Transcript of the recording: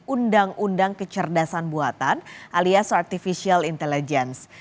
undang undang kecerdasan buatan alias artificial intelligence